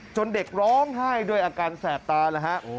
เด็กร้องไห้ด้วยอาการแสบตาแล้วฮะ